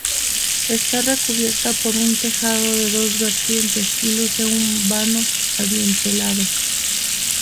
Está recubierta por una tejado de dos vertientes y luce vanos adintelados.